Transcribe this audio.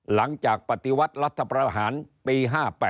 หลังจากปฏิวัติรัฐประหารปี๕๘